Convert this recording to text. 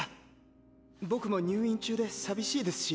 僕も入院中で寂しいですし。